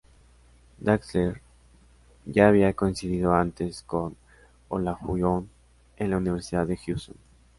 Drexler ya había coincidido antes con Olajuwon en la Universidad de Houston.